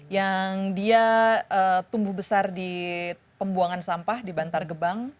yang dia tumbuh besar di pembuangan sampah di bantar gebang